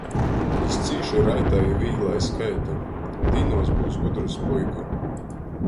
Jis cīši raitai i vīglai skaita! Dīnuos byus gudrys puika!